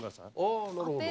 あぁなるほど。